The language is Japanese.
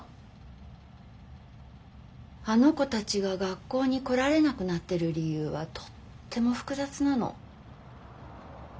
あの子たちが学校に来られなくなってる理由はとっても複雑なの。